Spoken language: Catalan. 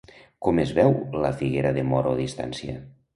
Com es veu la figuera de moro a distància?